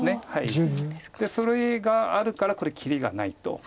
それがあるからこれ切りがないと。